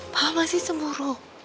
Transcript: papa masih semburu